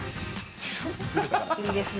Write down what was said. いいですね。